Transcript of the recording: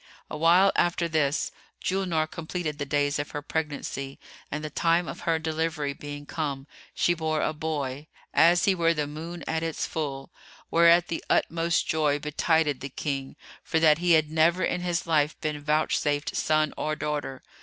Awhile after this, Julnar completed the days of her pregnancy and the time of her delivery being come, she bore a boy, as he were the moon at its full; whereat the utmost joy betided the King, for that he had never in his life been vouchsafed son or daughter.